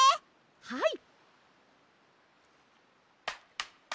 はい。